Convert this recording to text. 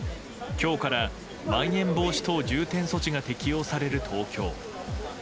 今日からまん延防止等重点措置が適用される東京。